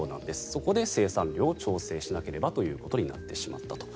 そこで生産量を調整しなければということになってしまったと。